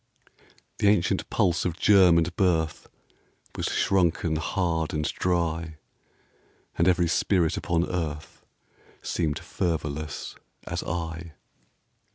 The ancient pulse of germ and birth Was shrunken hard and dry, And every spirit upon earth Seemed fervorless as I.